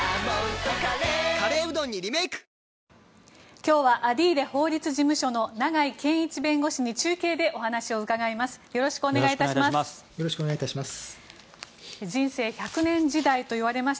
今日はアディーレ法律事務所の長井健一弁護士に中継でお話を伺います。